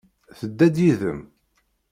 Tedda-d yid-m?